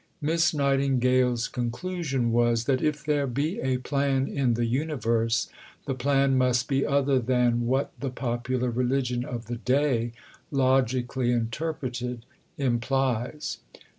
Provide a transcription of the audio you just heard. Miss Nightingale's conclusion was that if there be a Plan in the universe, the Plan must be other than what the popular religion of the day, logically interpreted, implies.